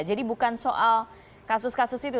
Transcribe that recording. jadi bukan soal kasus kasus itu